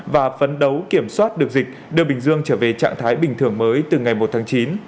và phấn đấu kiểm soát được dịch đưa bình dương trở về trạng thái bình thường mới từ ngày một tháng chín